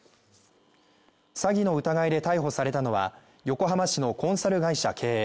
詐欺の疑いで逮捕されたのは横浜市のコンサル会社経営